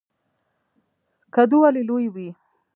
کدو ولې لوی وي؟